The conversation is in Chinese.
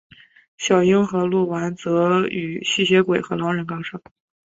小樱和鹿丸则与吸血鬼和狼人杠上。